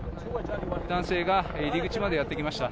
男性が入り口までやってきました。